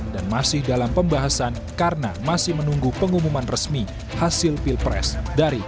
dan masih dalam pembahasan karena masih menunggu pengumuman resmi hasil pilpres dari kpu